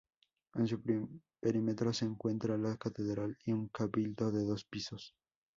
En su perímetro se encuentra la catedral y un cabildo de dos pisos.